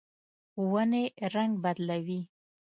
ونې رڼګ بدلوي